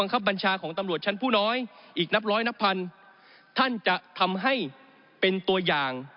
ท่านจะทำให้เป็นตัวอย่าง